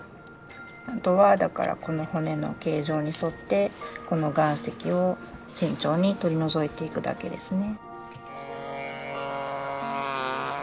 あとはだからこの骨の形状に沿ってこの岩石を慎重に取り除いていくだけですね。